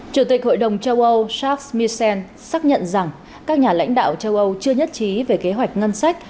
chủ tịch hội đồng châu âu charles misen xác nhận rằng các nhà lãnh đạo châu âu chưa nhất trí về kế hoạch ngân sách